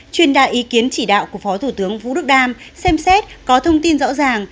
chuyên đạt ý kiến chỉ đạo của phó thủ tướng vũ đức đam xem xét có thông tin rõ ràng